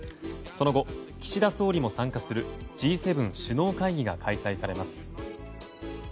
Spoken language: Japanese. その後、岸田総理も参加するＧ７首脳会議が開催されます。